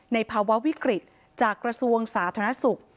ภาวะวิกฤตจากกระทรวงสาธารณสุข